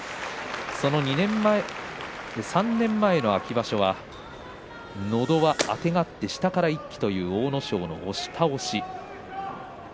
その３年前の秋場所はのど輪あてがって下から一気という阿武咲の押し倒し。